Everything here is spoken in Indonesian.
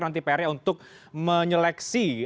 nanti pr nya untuk menyeleksi